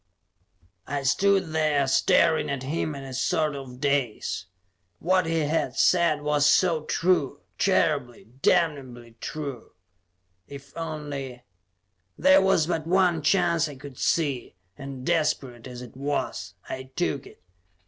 I stood there, staring at him in a sort of daze. What he had said was so true; terribly, damnably true. If only There was but one chance I could see, and desperate as it was, I took it.